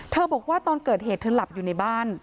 บอกว่าตอนเกิดเหตุเธอหลับอยู่ในบ้าน